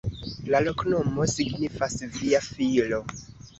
La loknomo signifas: via filo.